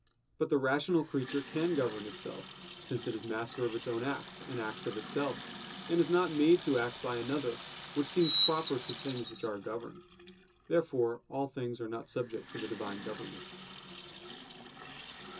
But the rational creature can govern itself; since it is master of its own act, and acts of itself; and is not made to act by another, which seems proper to things which are governed. Therefore all things are not subject to the Divine government.